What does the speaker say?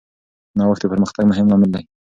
نوښت د پرمختګ مهم لامل دی.